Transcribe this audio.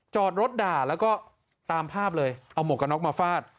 จอดรถด่าแล้วก็ตามภาพเลยเอาหมวกกระน็อกมาฟาด